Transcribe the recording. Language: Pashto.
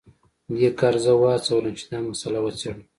دې کار زه وهڅولم چې دا مسله وڅیړم